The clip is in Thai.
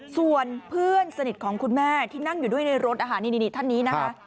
ส่วนเพื่อนสนิทของคุณแม่ที่นั่งอยู่ด้วยในรถอาหารนี่ท่านนี้นะคะ